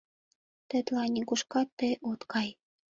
Тетла нигушкат тый от кай.